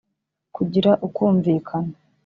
kugira ukumvikana